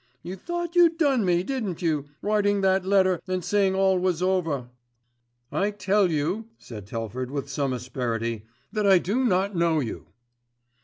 You thought you'd done me, didn't you, writing that letter and saying all was over." "I tell you," said Telford with some asperity, "that I do not know you."